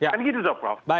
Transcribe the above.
kan begitu prof